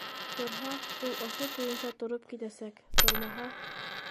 Торһа, ул ошо көйөнсә тороп китәсәк, тормаһа...